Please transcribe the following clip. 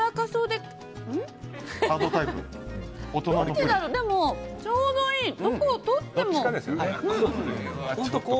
でも、ちょうどいいどこを取っても。